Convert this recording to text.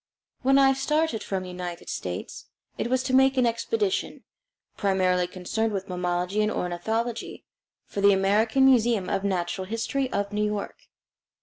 When I started from the United States, it was to make an expedition, primarily concerned with mammalogy and ornithology, for the American Museum of Natural History of New York.